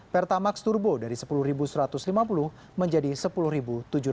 pertamax turbo dari rp sepuluh satu ratus lima puluh menjadi rp sepuluh tujuh ratus